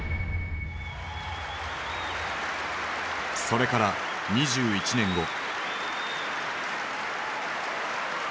それから２１年後。